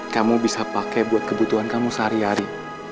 kamu bisa pakai buat kebutuhan kamu sehari hari